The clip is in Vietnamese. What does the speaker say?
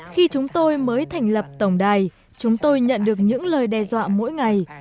khi chúng tôi mới thành lập tổng đài chúng tôi nhận được những lời đe dọa mỗi ngày